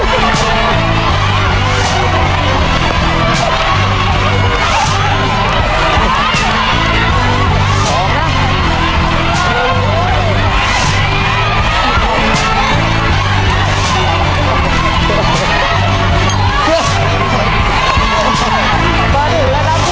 ต้องหยุดมันเหนียบมากเลยอ่ะเอาเอาเออเออระวังห่วงนะลูก